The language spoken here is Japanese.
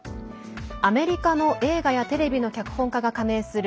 アメリカの映画やテレビの脚本家が加盟する